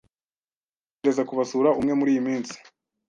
Ndatekereza kubasura umwe muriyi minsi.